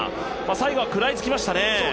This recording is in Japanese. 最後は食らいつきましたね。